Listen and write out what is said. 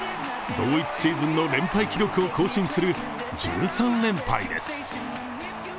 同一シーズンの連敗記録を更新する１３連敗です。